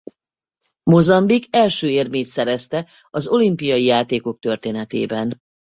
Mozambik első érmét szerezte az olimpiai játékok történetében.